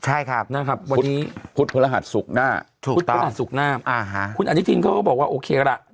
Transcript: ใช่ครับพุทธภัณฑ์ศุกร์หน้าพุทธภัณฑ์ศุกร์หน้าคุณอนุทิศก็บอกว่าโอเคละ